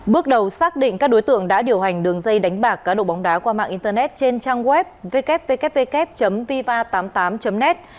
bước đầu xác định các đối tượng đã điều hành đường dây đánh bạc cá độ bóng đá qua mạng internet trên trang web www viva tám mươi tám net